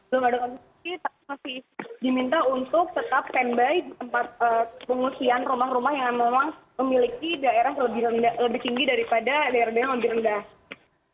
belum ada konsumsi tapi masih diminta untuk tetap standby di tempat pengungsian rumah rumah yang memang memiliki daerah lebih tinggi daripada daerah daerah yang lebih rendah